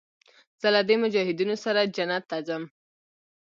زه له دې مجاهدينو سره جنت ته ځم.